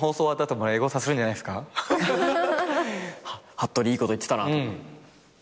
「はっとりいいこと言ってたな」とか。